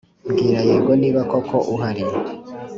Mbwira yego niba koko uhari